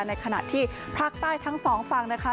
ในขณะที่ภาคใต้ทั้งสองฝั่งนะคะ